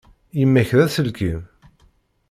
Yemma-k d aselkim.